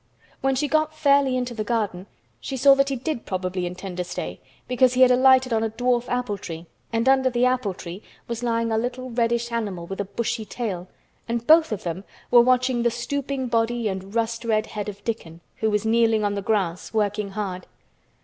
When she got fairly into the garden she saw that he probably did intend to stay because he had alighted on a dwarf apple tree and under the apple tree was lying a little reddish animal with a Bushy tail, and both of them were watching the stooping body and rust red head of Dickon, who was kneeling on the grass working hard.